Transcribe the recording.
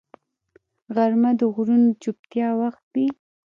غرمه د غږونو چوپتیا وخت وي